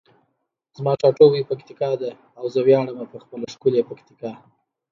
زما ټاټوبی پکتیکا ده او زه ویاړمه په خپله ښکلي پکتیکا.